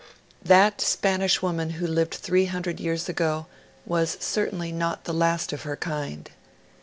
That Spanish woman who lived three hundred years ago, was certainly not the last of her kind.